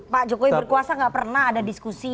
pak jokowi berkuasa gak pernah ada diskusi